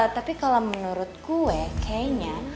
tapi kalau menurut gue kayaknya